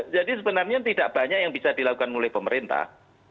jadi sebenarnya tidak banyak yang bisa dilakukan oleh pemerintah